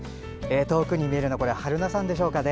遠くに見えるのは榛名山でしょうか。